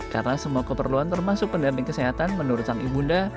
karena semua keperluan termasuk pendamping kesehatan menurut sang ibu nda